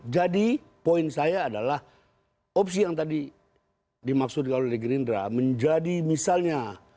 jadi poin saya adalah opsi yang tadi dimaksudkan oleh gerindra menjadi misalnya